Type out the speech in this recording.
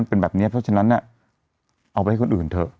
เป็นแบบนี้เพราะฉะนั้นเอาไปให้คนอื่นเถอะ